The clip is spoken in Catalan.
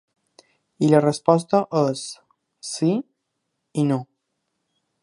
I la resposta és: Sí i no.